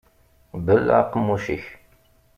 Belleɛ aqemmuc-ik.